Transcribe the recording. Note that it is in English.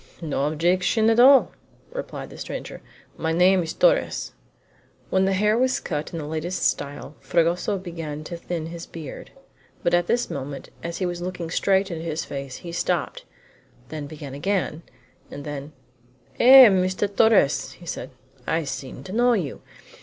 "No objection at all," replied the stranger. "My name is Torres." When the hair was cut in the latest style Fragoso began to thin his beard, but at this moment, as he was looking straight into his face, he stopped, then began again, and then: "Eh! Mr. Torres," said he; "I seem to know you.